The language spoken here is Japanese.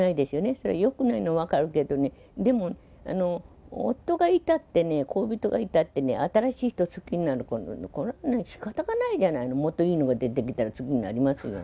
それはよくないのは分かるけどね、でも夫がいたってね、恋人がいたってね、新しい人好きになるのは、これはね、しかたがないじゃないの、もっといいのが出てきたら、好きになりますよ。